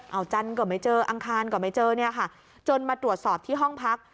เอาจันทร์ก็ไม่เจออังคารก็ไม่เจอเนี่ยค่ะจนมาตรวจสอบที่ห้องพัก